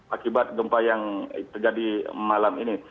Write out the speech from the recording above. akibat gempa yang terjadi malam ini